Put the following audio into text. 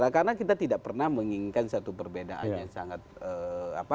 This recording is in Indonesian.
karena kita tidak pernah menginginkan satu perbedaan yang sangat apa